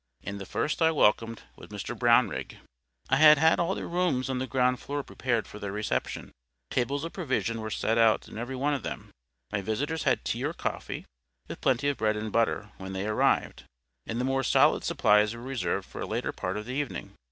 And the first I welcomed was Mr. Brownrigg. I had had all the rooms on the ground floor prepared for their reception. Tables of provision were set out in every one of them. My visitors had tea or coffee, with plenty of bread and butter, when they arrived; and the more solid supplies were reserved for a later part of the evening.